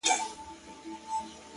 د بدرنگ رهبر نظر کي را ايسار دی!